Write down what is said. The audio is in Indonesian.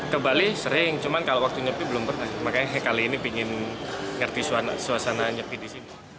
ke bali sering cuman kalau waktu nyepi belum pernah makanya kali ini ingin ngerti suasana nyepi di sini